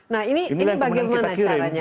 nah ini bagaimana caranya